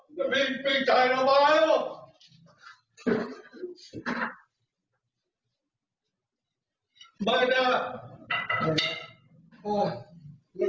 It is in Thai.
นี่นี่มีใจเถอะมาเลยโอ้โห